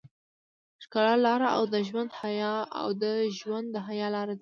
د ښکلا لاره او د ژوند د حيا لاره.